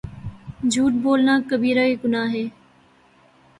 جھوٹ بولنا کبیرہ گناہ ہے